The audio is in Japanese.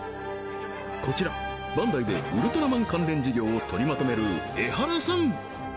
こちらバンダイでウルトラマン関連事業を取りまとめる江原さん